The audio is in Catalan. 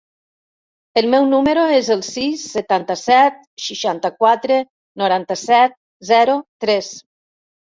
El meu número es el sis, setanta-set, seixanta-quatre, noranta-set, zero, tres.